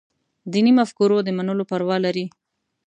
دیني مفکورو د منلو پروا لري.